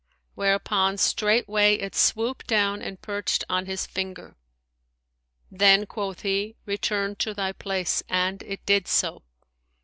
Whereupon straightway it swooped down and perched on his finger. Then quoth he, "Return to thy place;" and it did so.